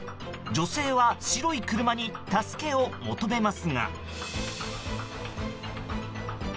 女性は白い車に助けを求めますが。